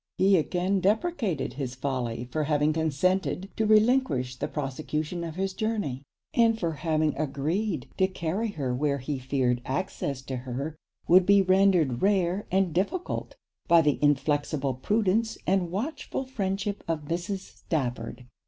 He again deprecated his folly for having consented to relinquish the prosecution of his journey, and for having agreed to carry her where he feared access to her would be rendered rare and difficult, by the inflexible prudence and watchful friendship of Mrs. Stafford.